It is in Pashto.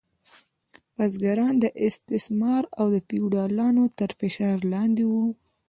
بزګران د استثمار او فیوډالانو تر فشار لاندې وو.